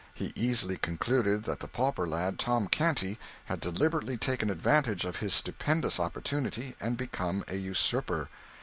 He easily concluded that the pauper lad, Tom Canty, had deliberately taken advantage of his stupendous opportunity and become a usurper.